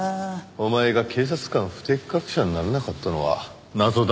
お前が警察官不適格者にならなかったのが謎だ。